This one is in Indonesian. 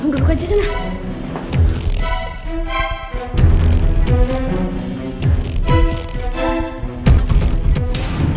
dulu dulu aja deh nah